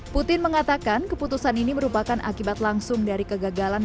putin mengatakan keputusan ini merupakan akibat langsung dari kegagalan